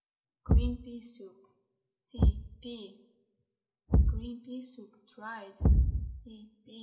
GREEN PEA SOUP. (See PEA.) GREEN PEA SOUP, DRIED.